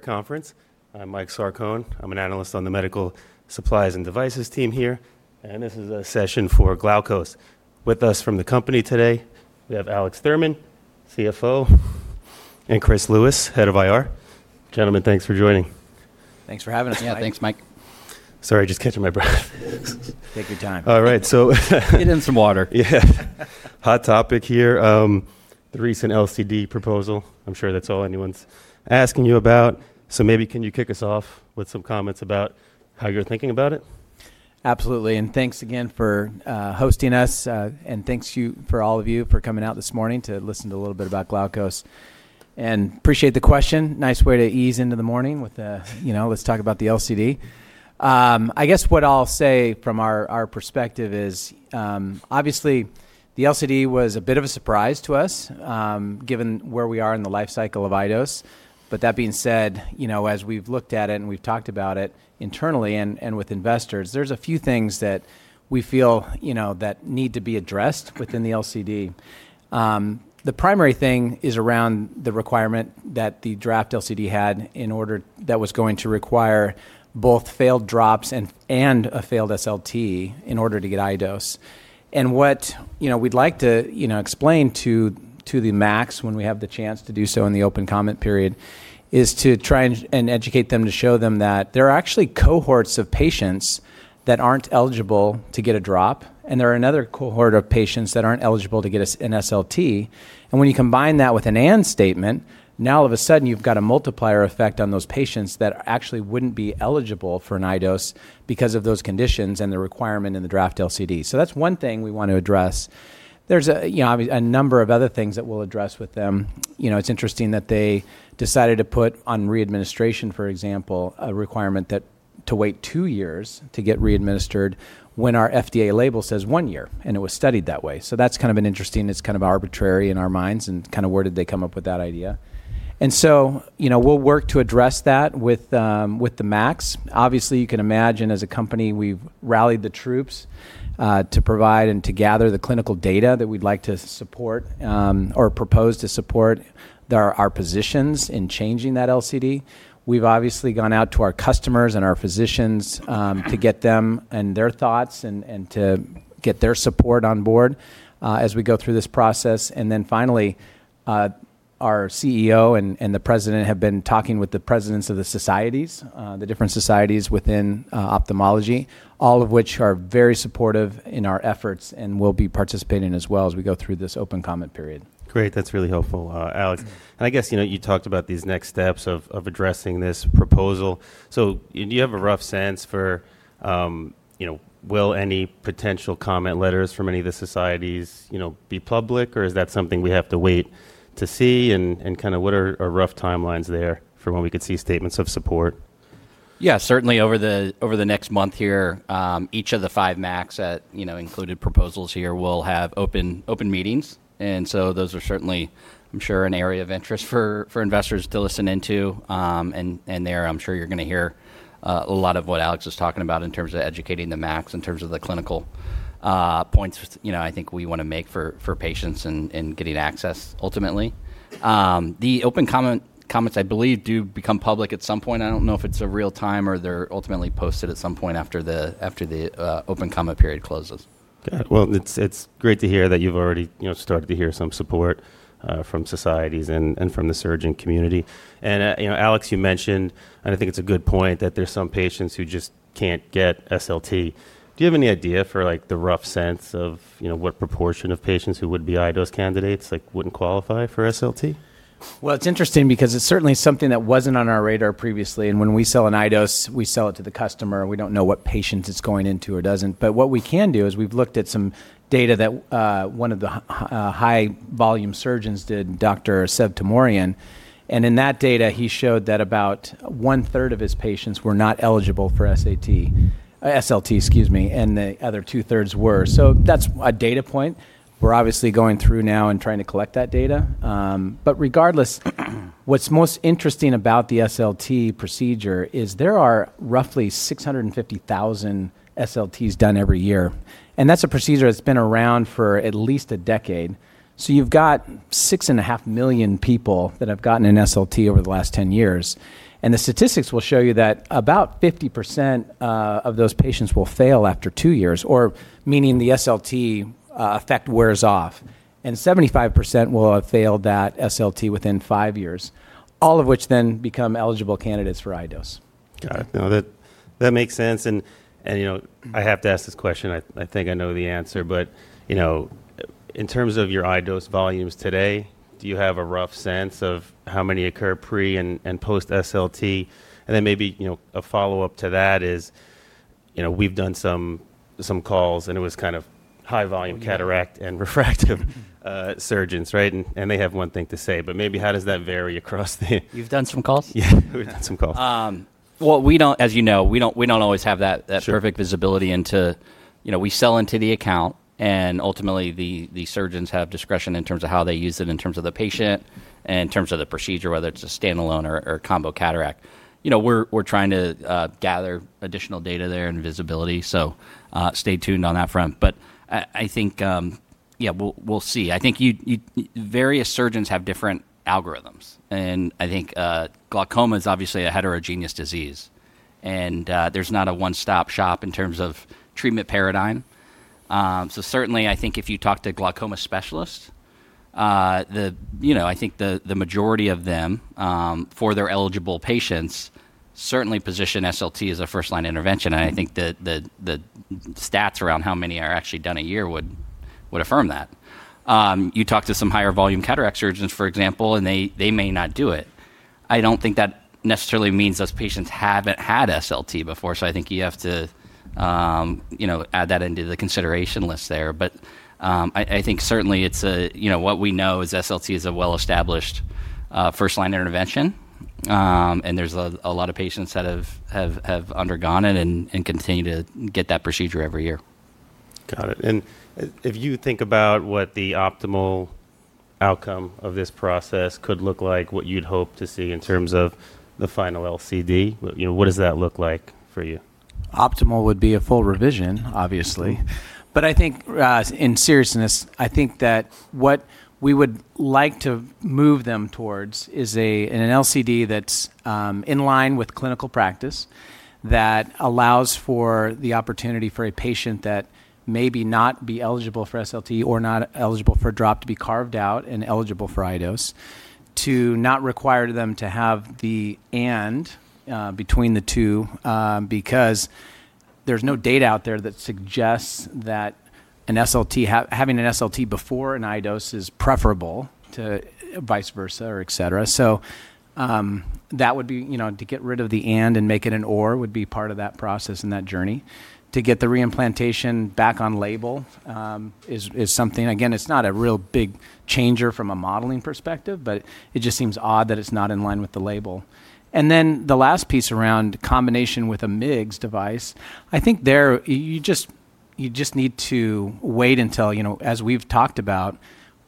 Conference. I'm Mike Sarcone. I'm an analyst on the medical supplies and devices team here. This is a session for Glaukos. With us from the company today, we have Alex Thurman, CFO, and Chris Lewis, Head of IR. Gentlemen, thanks for joining. Thanks for having us, Mike. Yeah, thanks, Mike. Sorry, just catching my breath. Take your time. All right. Get in some water. Yeah. Hot topic here, the recent LCD proposal. I'm sure that's all anyone's asking you about, so maybe can you kick us off with some comments about how you're thinking about it? Absolutely, thanks again for hosting us, and thanks for all of you for coming out this morning to listen to a little bit about Glaukos. Appreciate the question. Nice way to ease into the morning with a, "Let's talk about the LCD." I guess what I'll say from our perspective is, obviously, the LCD was a bit of a surprise to us given where we are in the life cycle of iDose, but that being said, as we've looked at it and we've talked about it internally and with investors, there's a few things that we feel that need to be addressed within the LCD. The primary thing is around the requirement that the draft LCD had that was going to require both failed drops and a failed SLT in order to get iDose. What we'd like to explain to the MACs when we have the chance to do so in the open comment period, is to try and educate them to show them that there are actually cohorts of patients that aren't eligible to get a drop, and there are another cohort of patients that aren't eligible to get an SLT. When you combine that with an and statement, now all of a sudden you've got a multiplier effect on those patients that actually wouldn't be eligible for an iDose because of those conditions and the requirement in the draft LCD. That's one thing we want to address. There's a number of other things that we'll address with them. It's interesting that they decided to put on re-administration, for example, a requirement to wait two years to get re-administered when our FDA label says one year, and it was studied that way. That's kind of interesting. It's kind of arbitrary in our minds, kind of where did they come up with that idea? We'll work to address that with the MACs. Obviously, you can imagine as a company, we've rallied the troops, to provide and to gather the clinical data that we'd like to support, or propose to support our positions in changing that LCD. We've obviously gone out to our customers and our physicians, to get them and their thoughts and to get their support on board as we go through this process. Finally, our CEO and the President have been talking with the presidents of the societies, the different societies within ophthalmology, all of which are very supportive in our efforts and will be participating as well as we go through this open comment period. Great. That's really helpful, Alex. I guess you talked about these next steps of addressing this proposal. Do you have a rough sense for will any potential comment letters from any of the societies be public, or is that something we have to wait to see, and what are our rough timelines there for when we could see statements of support? Yeah. Certainly over the next month here, each of the five MACs that included proposals here will have open meetings, so those are certainly, I'm sure, an area of interest for investors to listen into. There I'm sure you're going to hear a lot of what Alex was talking about in terms of educating the MACs, in terms of the clinical points I think we want to make for patients and getting access ultimately. The open comments, I believe, do become public at some point. I don't know if it's a real-time or they're ultimately posted at some point after the open comment period closes. Got it. Well, it's great to hear that you've already started to hear some support from societies and from the surgeon community. Alex, you mentioned, and I think it's a good point, that there's some patients who just can't get SLT. Do you have any idea for the rough sense of what proportion of patients who would be iDose candidates wouldn't qualify for SLT? It's interesting because it's certainly something that wasn't on our radar previously, and when we sell an iDose, we sell it to the customer. We don't know what patient it's going into or doesn't. What we can do is we've looked at some data that one of the high volume surgeons did, Dr. Savak Teymoorian, and in that data, he showed that about one third of his patients were not eligible for SLT, and the other two thirds were. That's a data point we're obviously going through now and trying to collect that data. Regardless, what's most interesting about the SLT procedure is there are roughly 650,000 SLTs done every year, and that's a procedure that's been around for at least a decade. You've got six and a half million people that have gotten an SLT over the last 10 years, and the statistics will show you that about 50% of those patients will fail after two years, meaning the SLT effect wears off. 75% will have failed that SLT within five years, all of which then become eligible candidates for iDose. Got it. No, that makes sense. I have to ask this question. I think I know the answer, in terms of your iDose volumes today, do you have a rough sense of how many occur pre and post SLT? Maybe a follow-up to that is we've done some calls, and it was kind of high volume cataract and refractive surgeons, right? They have one thing to say. You've done some calls? Yeah. We've done some calls. Well, as you know, we don't always have that. Sure. perfect visibility into. We sell into the account, Ultimately the surgeons have discretion in terms of how they use it, in terms of the patient, and in terms of the procedure, whether it's a standalone or combo cataract. We're trying to gather additional data there and visibility, stay tuned on that front. I think, yeah, we'll see. I think various surgeons have different algorithms, I think glaucoma is obviously a heterogeneous disease. There's not a one-stop shop in terms of treatment paradigm. Certainly, I think if you talk to glaucoma specialists, I think the majority of them, for their eligible patients, certainly position SLT as a first-line intervention. I think the stats around how many are actually done a year would affirm that. You talk to some higher volume cataract surgeons, for example, they may not do it. I don't think that necessarily means those patients haven't had SLT before. I think you have to add that into the consideration list there. I think certainly what we know is SLT is a well-established first-line intervention. There's a lot of patients that have undergone it and continue to get that procedure every year. Got it. If you think about what the optimal outcome of this process could look like, what you'd hope to see in terms of the final LCD, what does that look like for you? Optimal would be a full revision, obviously. I think, in seriousness, I think that what we would like to move them towards is an LCD that's in line with clinical practice, that allows for the opportunity for a patient that may not be eligible for SLT or not eligible for drop to be carved out and eligible for iDose, to not require them to have the "and" between the two, because there's no data out there that suggests that having an SLT before an iDose is preferable to vice versa or et cetera. To get rid of the "and" and make it an "or" would be part of that process and that journey. To get the re-implantation back on label is something. Again, it's not a real big changer from a modeling perspective, but it just seems odd that it's not in line with the label. The last piece around combination with a MIGS device, I think there you just need to wait until, as we've talked about,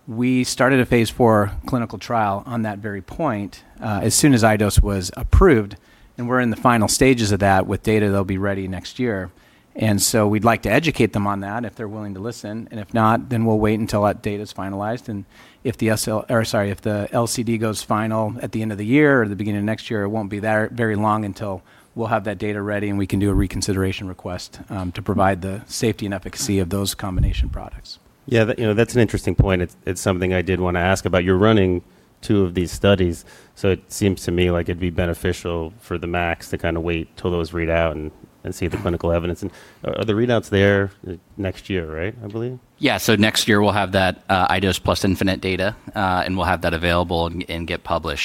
we started a phase IV clinical trial on that very point as soon as iDose was approved, and we're in the final stages of that with data that'll be ready next year. We'd like to educate them on that if they're willing to listen. If not, then we'll wait until that data's finalized and if the LCD goes final at the end of the year or the beginning of next year, it won't be very long until we'll have that data ready and we can do a reconsideration request to provide the safety and efficacy of those combination products. Yeah. That's an interesting point. It's something I did want to ask about. You're running two of these studies, so it seems to me like it'd be beneficial for the MACs to kind of wait till those read out and see the clinical evidence. Are the readouts there next year, right, I believe? Next year we'll have that iDose plus infinite data, and we'll have that available and get published.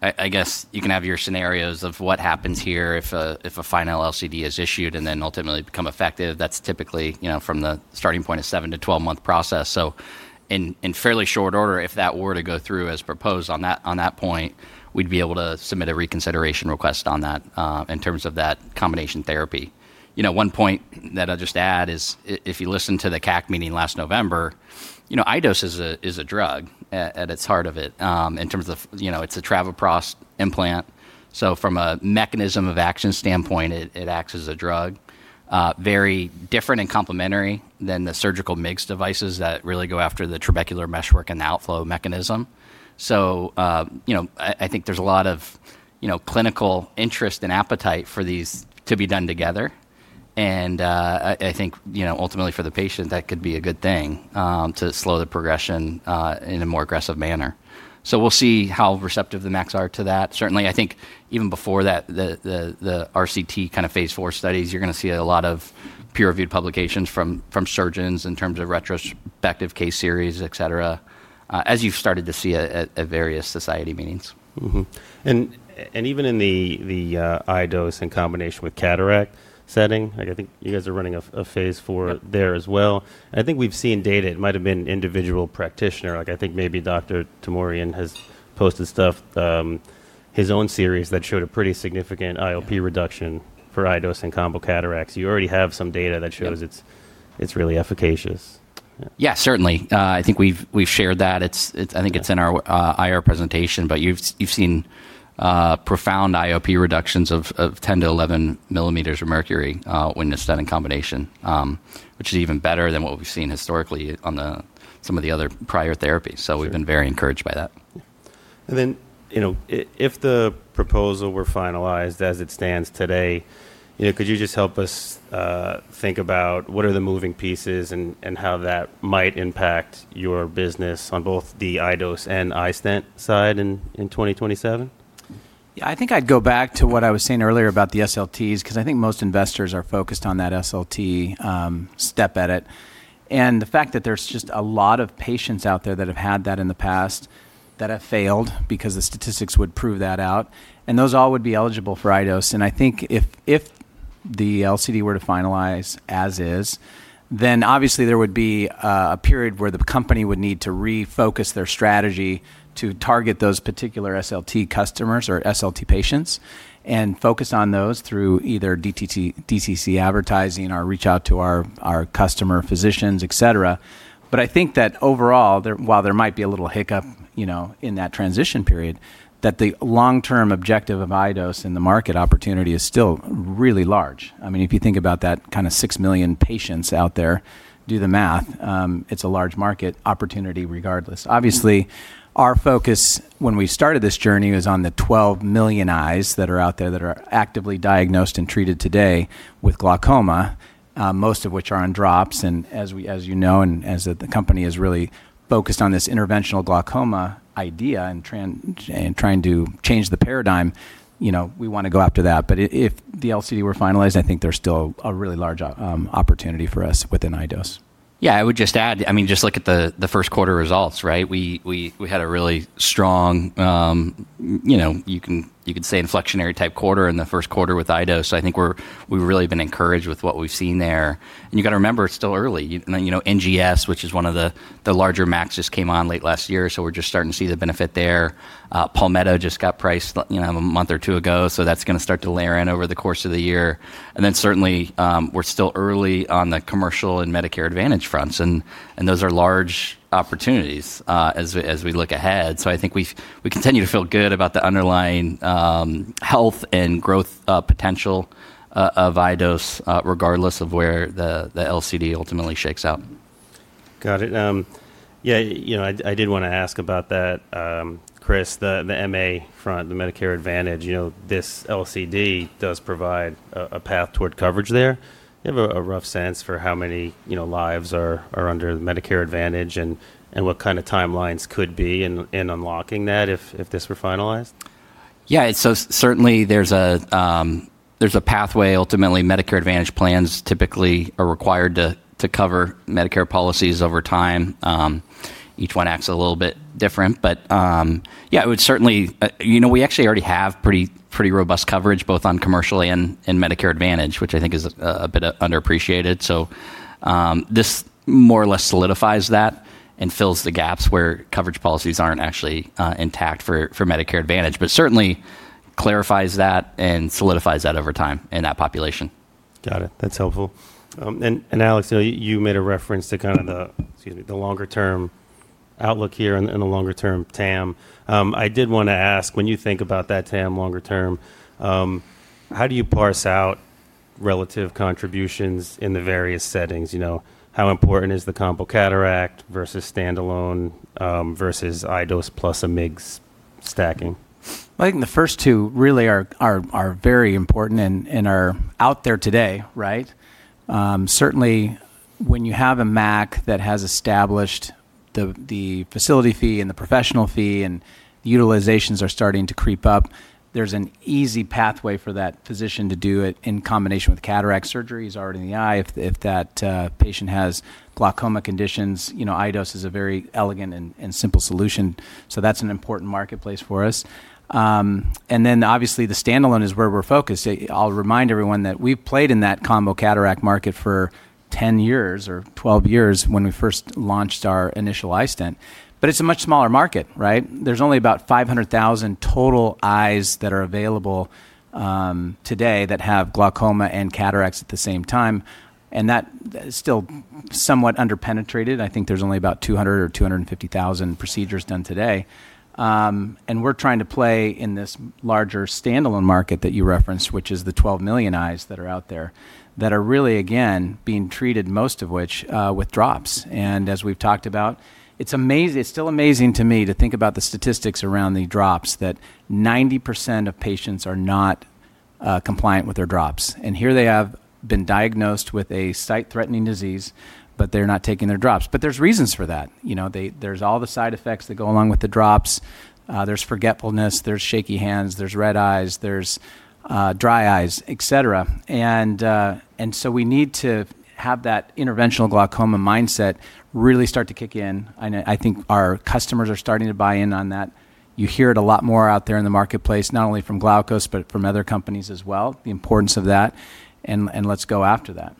I guess you can have your scenarios of what happens here if a final LCD is issued and then ultimately become effective. That's typically, from the starting point, a 7-12 month process. In fairly short order, if that were to go through as proposed on that point, we'd be able to submit a reconsideration request on that in terms of that combination therapy. One point that I'll just add is if you listen to the CAC meeting last November, iDose is a drug at its heart of it. It's a travoprost implant. From a mechanism of action standpoint, it acts as a drug. Very different and complementary than the surgical MIGS devices that really go after the trabecular meshwork and the outflow mechanism. I think there's a lot of clinical interest and appetite for these to be done together. I think ultimately for the patient, that could be a good thing to slow the progression in a more aggressive manner. We'll see how receptive the MACs are to that. Certainly, I think even before the RCT kind of phase IV studies, you're going to see a lot of peer-reviewed publications from surgeons in terms of retrospective case series, et cetera, as you've started to see at various society meetings. Even in the iDose in combination with cataract setting, I think you guys are running a phase IV there as well. I think we've seen data, it might have been individual practitioner, I think maybe Dr. Teymoorian has posted stuff, his own series that showed a pretty significant IOP reduction for iDose and combo cataracts. You already have some data that shows it's really efficacious. Yeah, certainly. I think we've shared that. I think it's in our IR presentation. You've seen profound IOP reductions of 10-11 millimeters of mercury when it's done in combination, which is even better than what we've seen historically on some of the other prior therapies. We've been very encouraged by that. If the proposal were finalized as it stands today, could you just help us think about what are the moving pieces and how that might impact your business on both the iDose and iStent side in 2027? Yeah, I think I'd go back to what I was saying earlier about the SLTs, because I think most investors are focused on that SLT step at it. The fact that there's just a lot of patients out there that have had that in the past that have failed, because the statistics would prove that out, and those all would be eligible for iDose. I think if the LCD were to finalize as is, then obviously there would be a period where the company would need to refocus their strategy to target those particular SLT customers or SLT patients and focus on those through either DTC advertising or reach out to our customer physicians, et cetera. I think that overall, while there might be a little hiccup in that transition period, that the long-term objective of iDose and the market opportunity is still really large. If you think about that 6 million patients out there, do the math, it's a large market opportunity regardless. Obviously, our focus when we started this journey was on the 12 million eyes that are out there that are actively diagnosed and treated today with glaucoma, most of which are on drops. As you know, and as the company has really focused on this interventional glaucoma idea and trying to change the paradigm, we want to go after that. If the LCD were finalized, I think there's still a really large opportunity for us within iDose. Yeah, I would just add, just look at the first quarter results, right? We had a really strong, you could say inflectionary type quarter in the first quarter with iDose. I think we've really been encouraged with what we've seen there. You've got to remember, it's still early. NGS, which is one of the larger MACs, just came on late last year, so we're just starting to see the benefit there. Palmetto just got priced a month or two ago, so that's going to start to layer in over the course of the year. Then certainly, we're still early on the commercial and Medicare Advantage fronts, and those are large opportunities as we look ahead. I think we continue to feel good about the underlying health and growth potential of iDose, regardless of where the LCD ultimately shakes out. Got it. Yeah, I did want to ask about that, Chris. The MA front, the Medicare Advantage. This LCD does provide a path toward coverage there. Do you have a rough sense for how many lives are under the Medicare Advantage, and what kind of timelines could be in unlocking that if this were finalized? Yeah. Certainly, there's a pathway. Ultimately, Medicare Advantage plans typically are required to cover Medicare policies over time. Each one acts a little bit different. Yeah, we actually already have pretty robust coverage, both on commercial and Medicare Advantage, which I think is a bit underappreciated. This more or less solidifies that and fills the gaps where coverage policies aren't actually intact for Medicare Advantage, but certainly clarifies that and solidifies that over time in that population. Got it. That's helpful. Alex, you made a reference to the longer-term outlook here and the longer-term TAM. I did want to ask, when you think about that TAM longer term, how do you parse out relative contributions in the various settings? How important is the combo cataract versus standalone versus iDose plus a MIGS stacking? I think the first two really are very important and are out there today, right? Certainly, when you have a MAC that has established the facility fee and the professional fee, and the utilizations are starting to creep up, there's an easy pathway for that physician to do it in combination with cataract surgery. He's already in the eye. If that patient has glaucoma conditions, iDose is a very elegant and simple solution. That's an important marketplace for us. Obviously, the standalone is where we're focused. I'll remind everyone that we've played in that combo cataract market for 10 years or 12 years when we first launched our initial iStent, but it's a much smaller market, right? There's only about 500,000 total eyes that are available today that have glaucoma and cataracts at the same time, and that is still somewhat under-penetrated. I think there's only about 200,000 or 250,000 procedures done today. We're trying to play in this larger standalone market that you referenced, which is the 12 million eyes that are out there, that are really, again, being treated, most of which with drops. As we've talked about, it's still amazing to me to think about the statistics around the drops, that 90% of patients are not compliant with their drops. There's reasons for that. There's all the side effects that go along with the drops. There's forgetfulness, there's shaky hands, there's red eyes, there's dry eyes, et cetera. We need to have that interventional glaucoma mindset really start to kick in, and I think our customers are starting to buy in on that. You hear it a lot more out there in the marketplace, not only from Glaukos, but from other companies as well, the importance of that, and let's go after that.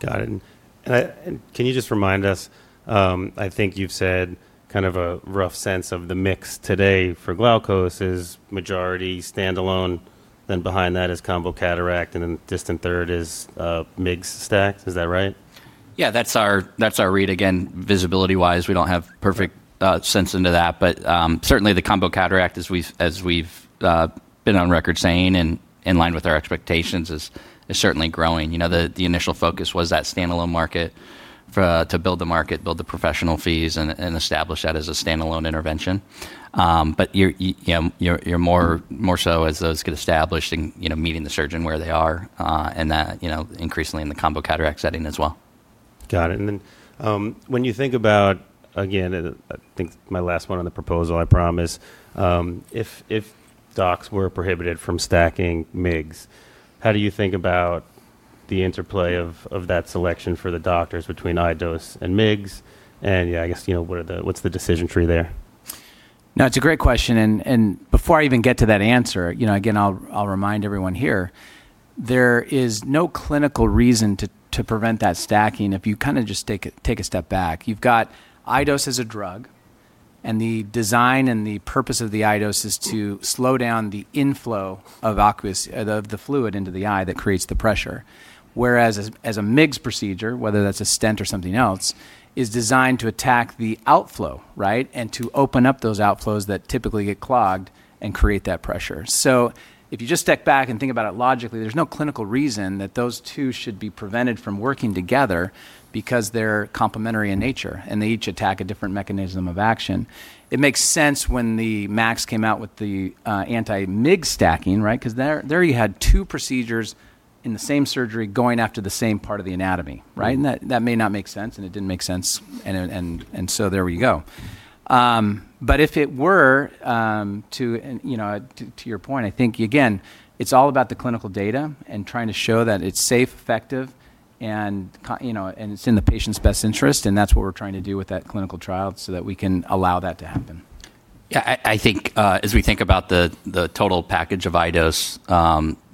Got it. Can you just remind us, I think you've said kind of a rough sense of the mix today for Glaukos is majority standalone, then behind that is combo cataract, and then distant third is MIGS stacked. Is that right? Yeah, that's our read. Again, visibility-wise, we don't have perfect sense into that. Certainly the combo cataract, as we've been on record saying and in line with our expectations, is certainly growing. The initial focus was that standalone market, to build the market, build the professional fees, and establish that as a standalone intervention. You're more so as those get established and meeting the surgeon where they are, and that increasingly in the combo cataract setting as well. Got it. When you think about, again, I think my last one on the proposal, I promise. If docs were prohibited from stacking MIGS, how do you think about the interplay of that selection for the doctors between iDose and MIGS, and I guess, what's the decision tree there? No, it's a great question. Before I even get to that answer, again, I'll remind everyone here, there is no clinical reason to prevent that stacking if you kind of just take a step back. You've got iDose as a drug. The design and the purpose of the iDose is to slow down the inflow of the fluid into the eye that creates the pressure. As a MIGS procedure, whether that's an iStent or something else, is designed to attack the outflow. To open up those outflows that typically get clogged and create that pressure. If you just step back and think about it logically, there's no clinical reason that those two should be prevented from working together because they're complementary in nature, and they each attack a different mechanism of action. It makes sense when the MACs came out with the anti-MIGS stacking. There you had two procedures in the same surgery going after the same part of the anatomy. That may not make sense, and it didn't make sense. There we go. If it were, to your point, I think, again, it's all about the clinical data and trying to show that it's safe, effective, and it's in the patient's best interest. That's what we're trying to do with that clinical trial so that we can allow that to happen. Yeah. I think as we think about the total package of iDose,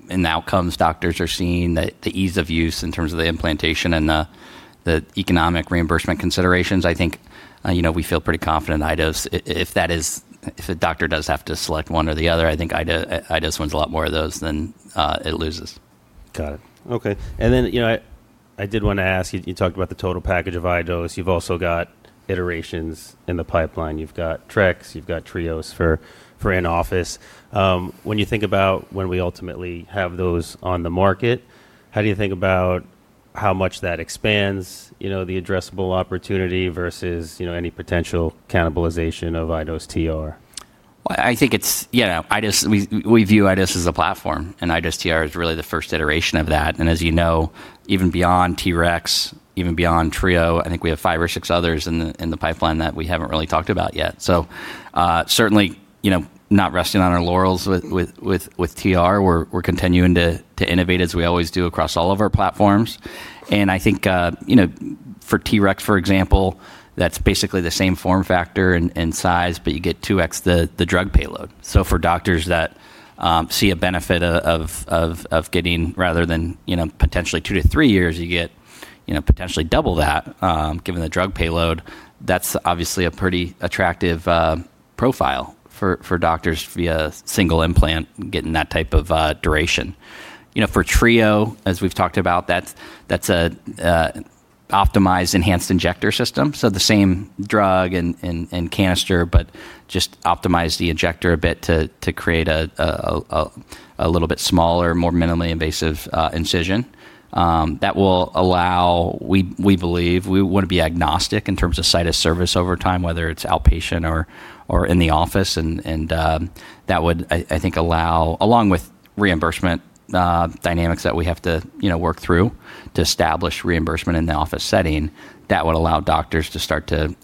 and the outcomes doctors are seeing, the ease of use in terms of the implantation and the economic reimbursement considerations, I think we feel pretty confident in iDose. If a doctor does have to select one or the other, I think iDose wins a lot more of those than it loses. Got it. Okay. I did want to ask, you talked about the total package of iDose. You've also got iterations in the pipeline. You've got TREX, you've got TRIOs for in-office. When you think about when we ultimately have those on the market, how do you think about how much that expands the addressable opportunity versus any potential cannibalization of iDose TR? We view iDose as a platform, and iDose TR is really the first iteration of that. As you know, even beyond TREX, even beyond TRIO, I think we have five or six others in the pipeline that we haven't really talked about yet. Certainly, not resting on our laurels with TR. We're continuing to innovate as we always do across all of our platforms. I think, for TREX, for example, that's basically the same form factor and size, but you get 2x the drug payload. For doctors that see a benefit of getting rather than potentially two to three years, you get potentially double that, given the drug payload. That's obviously a pretty attractive profile for doctors via single implant, getting that type of duration. For TRIO, as we've talked about, that's an optimized, enhanced injector system. The same drug and canister, but just optimize the injector a bit to create a little bit smaller, more minimally invasive incision. We want to be agnostic in terms of site of service over time, whether it's outpatient or in the office. That would, I think, allow, along with reimbursement dynamics that we have to work through to establish reimbursement in the office setting, that would allow doctors to start to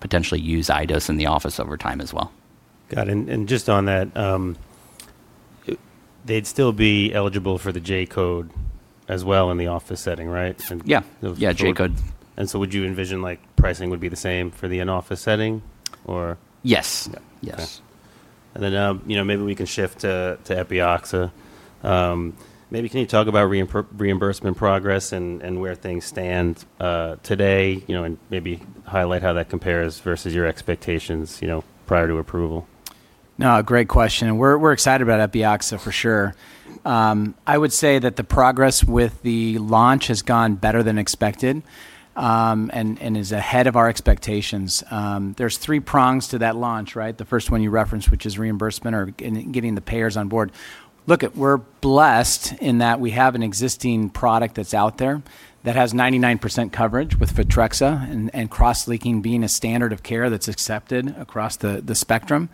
potentially use iDose in the office over time as well. Got it. Just on that, they'd still be eligible for the J-code as well in the office setting, right? Yeah. J-code. Would you envision pricing would be the same for the in-office setting, or? Yes. Okay. Maybe we can shift to Epioxa. Maybe can you talk about reimbursement progress and where things stand today, and maybe highlight how that compares versus your expectations, prior to approval? No, great question. We're excited about Epioxa for sure. I would say that the progress with the launch has gone better than expected, and is ahead of our expectations. There's three prongs to that launch. The first one you referenced, which is reimbursement or getting the payers on board. Look, we're blessed in that we have an existing product that's out there that has 99% coverage with Photrexa, and cross-linking being a standard of care that's accepted across the spectrum.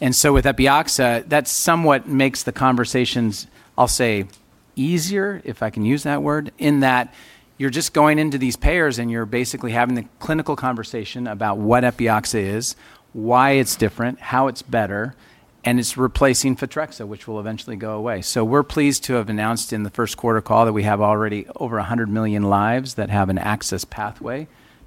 With Epioxa, that somewhat makes the conversations, I'll say, easier, if I can use that word, in that you're just going into these payers and you're basically having the clinical conversation about what Epioxa is, why it's different, how it's better, and it's replacing Photrexa, which will eventually go away. We're pleased to have announced in the first quarter call that we have already over 100 million lives that have an access pathway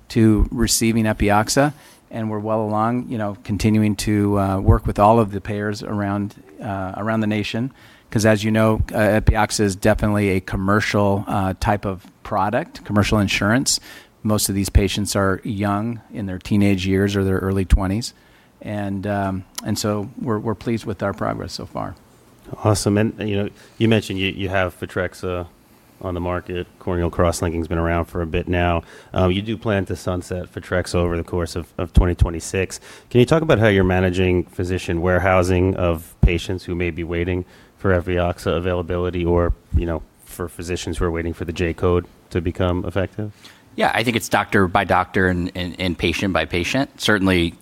to receiving Epioxa, and we're well along, continuing to work with all of the payers around the nation. As you know, Epioxa is definitely a commercial type of product, commercial insurance. Most of these patients are young, in their teenage years or their early 20s. We're pleased with our progress so far. Awesome. You mentioned you have Photrexa on the market. Corneal cross-linking's been around for a bit now. You do plan to sunset Photrexa over the course of 2026. Can you talk about how you're managing physician warehousing of patients who may be waiting for Epioxa availability or for physicians who are waiting for the J-code to become effective? Yeah. I think it's doctor by doctor and patient by patient. Certainly,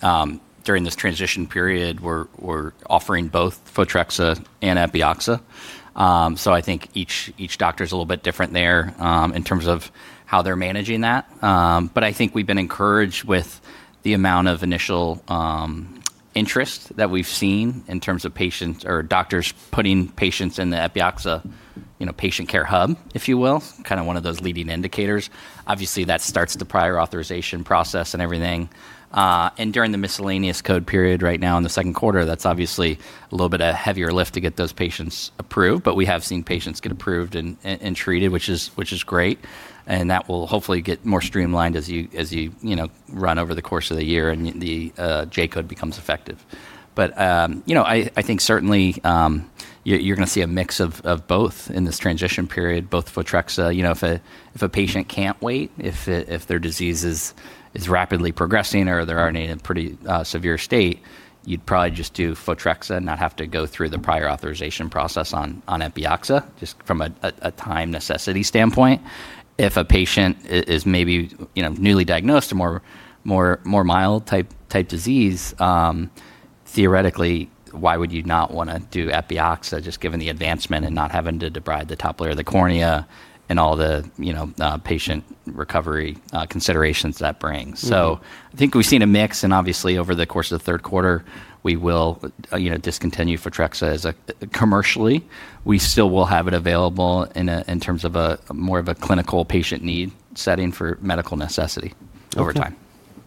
during this transition period, we're offering both Photrexa and Epioxa. I think each doctor's a little bit different there, in terms of how they're managing that. I think we've been encouraged with the amount of initial interest that we've seen in terms of doctors putting patients in the Epioxa patient care hub, if you will. Kind of one of those leading indicators. Obviously, that starts at the prior authorization process and everything. During the miscellaneous code period right now in the second quarter, that's obviously a little bit of heavier lift to get those patients approved. We have seen patients get approved and treated, which is great, and that will hopefully get more streamlined as you run over the course of the year and the J-code becomes effective. I think certainly, you're going to see a mix of both in this transition period, both Photrexa. If a patient can't wait, if their disease is rapidly progressing or they're in a pretty severe state, you'd probably just do Photrexa and not have to go through the prior authorization process on Epioxa, just from a time necessity standpoint. If a patient is maybe newly diagnosed, a more mild type disease, theoretically, why would you not want to do Epioxa, just given the advancement and not having to debride the top layer of the cornea and all the patient recovery considerations that brings. I think we've seen a mix, and obviously over the course of the third quarter, we will discontinue Photrexa commercially. We still will have it available in terms of more of a clinical patient need setting for medical necessity over time. Okay.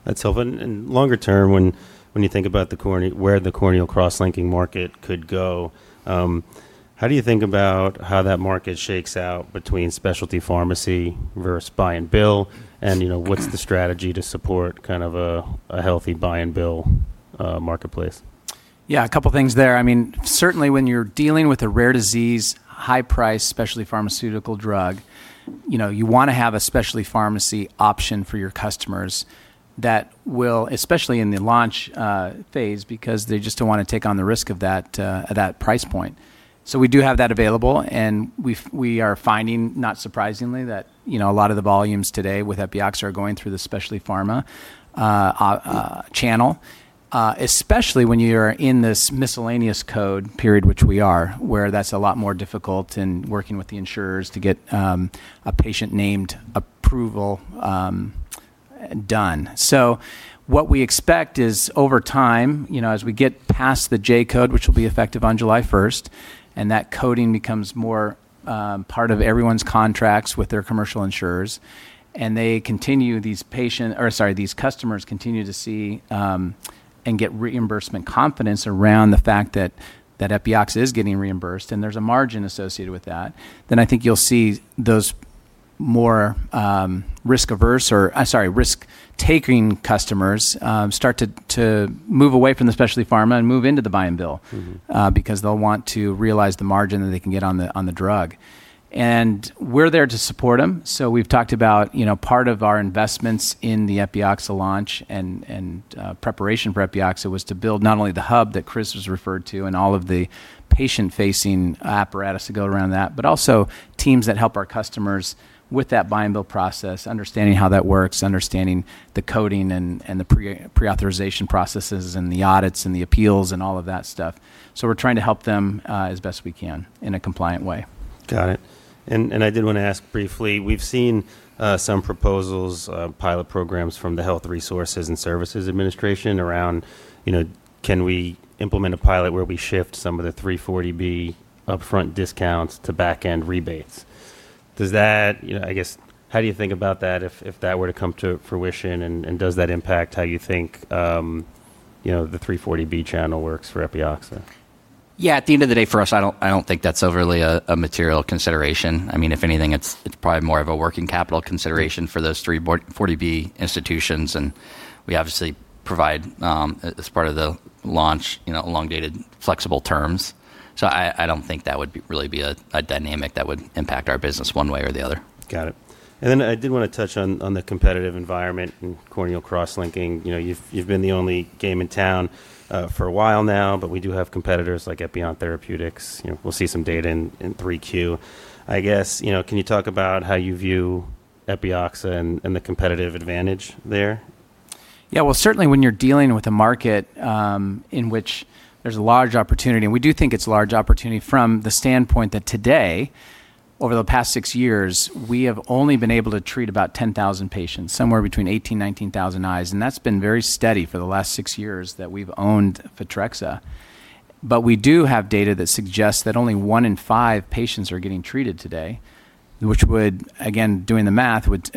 That's helpful. Longer term, when you think about where the corneal cross-linking market could go, how do you think about how that market shakes out between specialty pharmacy versus buy and bill? What's the strategy to support a healthy buy and bill marketplace? A couple things there. Certainly, when you're dealing with a rare disease, high price, specialty pharmaceutical drug, you want to have a specialty pharmacy option for your customers. Especially in the launch phase, because they just don't want to take on the risk of that at that price point. We do have that available, and we are finding, not surprisingly, that a lot of the volumes today with Epioxa are going through the specialty pharma channel. Especially when you're in this miscellaneous code period, which we are, where that's a lot more difficult in working with the insurers to get a patient named approval done. What we expect is over time, as we get past the J-code, which will be effective on July 1st, and that coding becomes more part of everyone's contracts with their commercial insurers, and these customers continue to see and get reimbursement confidence around the fact that Epioxa is getting reimbursed, and there's a margin associated with that, then I think you'll see those more risk-averse or, sorry, risk-taking customers start to move away from the specialty pharma and move into the buy-and-bill. Because they'll want to realize the margin that they can get on the drug. We're there to support them. We've talked about part of our investments in the Epioxa launch and preparation for Epioxa was to build not only the hub that Chris was referred to and all of the patient-facing apparatus to go around that, but also teams that help our customers with that buy and bill process, understanding how that works, understanding the coding and the pre-authorization processes and the audits and the appeals and all of that stuff. We're trying to help them as best we can in a compliant way. Got it. I did want to ask briefly, we've seen some proposals, pilot programs from the Health Resources and Services Administration around can we implement a pilot where we shift some of the 340B upfront discounts to back-end rebates? I guess, how do you think about that if that were to come to fruition, and does that impact how you think the 340B channel works for Epioxa? Yeah, at the end of the day, for us, I don't think that's overly a material consideration. If anything, it's probably more of a working capital consideration for those 340B institutions, and we obviously provide, as part of the launch, elongated, flexible terms. I don't think that would really be a dynamic that would impact our business one way or the other. Got it. I did want to touch on the competitive environment in corneal cross-linking. You've been the only game in town for a while now, but we do have competitors like Epion Therapeutics. We'll see some data in 3Q. I guess, can you talk about how you view Epioxa and the competitive advantage there? Yeah. Well, certainly when you're dealing with a market in which there's a large opportunity, and we do think it's a large opportunity from the standpoint that today, over the past six years, we have only been able to treat about 10,000 patients, somewhere between 18,000, 19,000 eyes, and that's been very steady for the last six years that we've owned Photrexa. We do have data that suggests that only one in five patients are getting treated today, which would, again, doing the math, would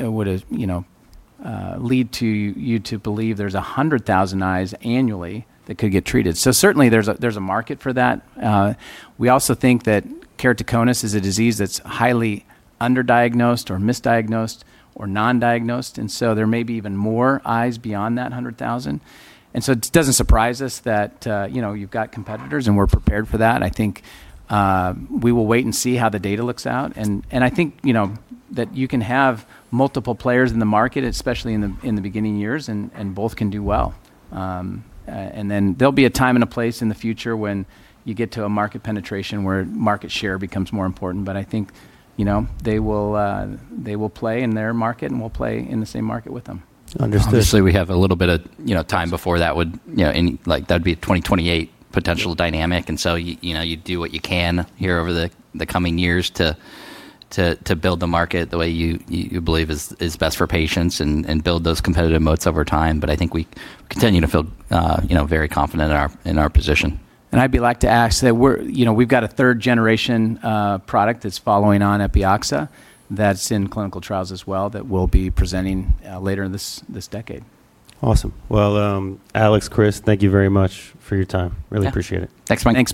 lead you to believe there's 100,000 eyes annually that could get treated. Certainly, there's a market for that. We also think that keratoconus is a disease that's highly under-diagnosed or misdiagnosed or non-diagnosed, There may be even more eyes beyond that 100,000. It doesn't surprise us that you've got competitors, and we're prepared for that. I think we will wait and see how the data looks out. I think that you can have multiple players in the market, especially in the beginning years, and both can do well. There'll be a time and a place in the future when you get to a market penetration where market share becomes more important. I think they will play in their market, and we'll play in the same market with them. Understood. Obviously, we have a little bit of time before That'd be a 2028 potential dynamic. You do what you can here over the coming years to build the market the way you believe is best for patients and build those competitive moats over time. I think we continue to feel very confident in our position. I'd be like to ask that we've got a third-generation product that's following on Epioxa that's in clinical trials as well that we'll be presenting later in this decade. Awesome. Well, Alex, Chris, thank you very much for your time. Really appreciate it. Thanks. Thanks.